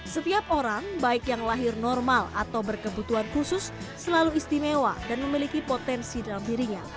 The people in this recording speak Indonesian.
setiap orang baik yang lahir normal atau berkebutuhan khusus selalu istimewa dan memiliki potensi dalam dirinya